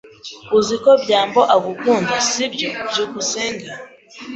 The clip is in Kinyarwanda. Uzi ko byambo agukunda, sibyo? byukusenge